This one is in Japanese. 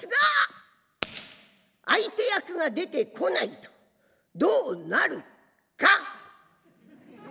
相手役が出てこないとどうなるか。